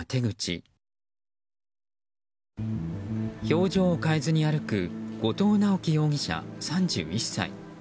表情を変えずに歩く後藤直樹容疑者、３１歳。